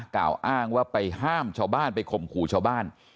กล่าวอ้างว่าไปห้ามชาวบ้านไปข่มขู่ชาวบ้าน